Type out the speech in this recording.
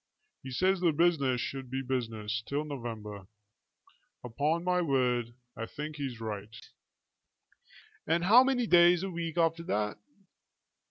He says the business should be the business till November. Upon my word, I think he's right." "And how many days a week after that?"